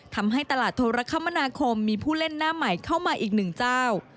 ทำให้ตลาดโทรคมนาคมมีผู้เล่นหน้าใหม่เข้ามาอีกหนึ่งเจ้า